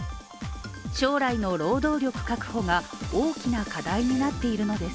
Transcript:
将来の労働力確保が大きな課題になっているのです。